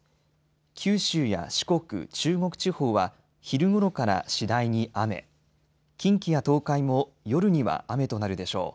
九州や四国、中国地方は昼ごろから次第に雨、近畿や東海も夜には雨となるでしょう。